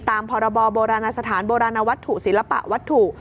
ตามพบสถานบวัตถุศิลปะวัตถุ